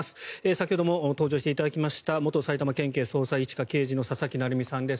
先ほども登場していただきました元埼玉県警捜査１課刑事の佐々木成三さんです。